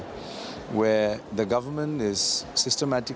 di mana pemerintah bergerak secara sistematik